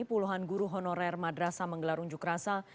puluhan guru honorer madrasah menggelar unjuk rasa